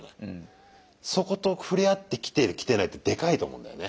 そこと触れ合ってきてるきてないってでかいと思うんだよね。